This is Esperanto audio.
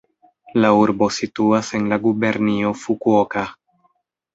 La urbo situas en la gubernio Fukuoka.